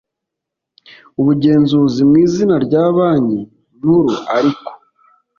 ubugenzuzi mu izina rya banki nkuru ariko